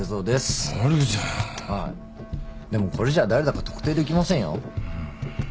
でもこれじゃ誰だか特定できませんよ。